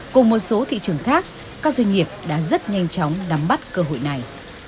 cùng một số thị trường khác các doanh nghiệp đã rất nhanh chóng đắm bắt cơ hội này